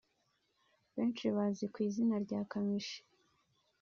benshi bazi ku izina rya Kamichi